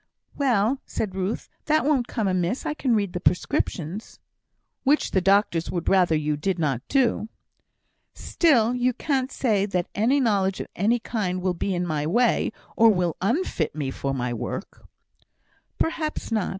"Well!" said Ruth, "that won't come amiss; I can read the prescriptions." "Which the doctors would rather you did not do." "Still, you can't say that any knowledge of any kind will be in my way, or will unfit me for my work." "Perhaps not.